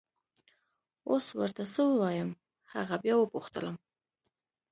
اوس ور ته څه ووایم! هغه بیا وپوښتلم.